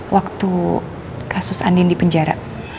waktu kasus anin di penjara